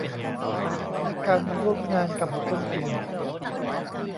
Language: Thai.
และการร่วมงานกับบุคคลอื่น